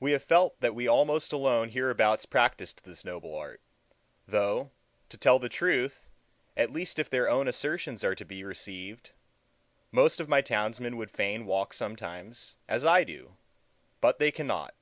We have felt that we almost alone hereabouts practiced this noble art; though, to tell the truth, at least if their own assertions are to be received, most of my townsmen would fain walk sometimes, as I do, but they cannot.